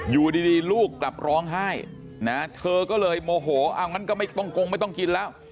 อยู่ดีลูกกลับร้องไห้นะเธอก็เลยโมโหเอางั้นก็ไม่ต้องกงไม่ต้องกินแล้ว